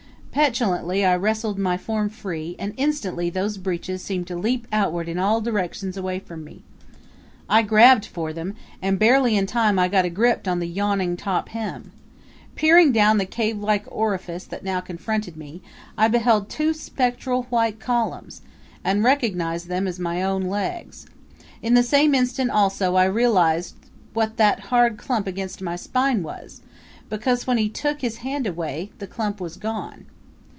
Petulantly I wrestled my form free, and instantly those breeches seemed to leap outward in all directions away from me. I grabbed for them, and barely in time I got a grip on the yawning top hem. Peering down the cavelike orifice that now confronted me I beheld two spectral white columns, and recognized them as my own legs. In the same instant, also, I realized what that hard clump against my spine was, because when he took his hand away the clump was gone.